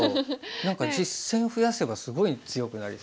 何か実戦増やせばすごい強くなりそうな感じ。